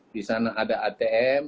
di sana ada atm